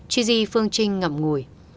chizy phương trinh ngậm ngùi